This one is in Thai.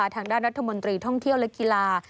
ทางด้านรัฐมนตรีท่องเที่ยวและกีฬา